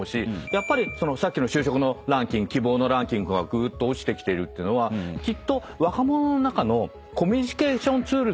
やっぱりさっきの就職のランキング希望のランキングがぐーっと落ちてきているってのはきっと若者の中の。